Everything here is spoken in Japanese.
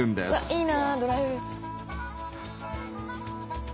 いいなあドライフルーツ。